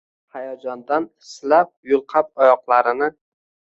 Hayajondan silab-yulqab oyoqlarini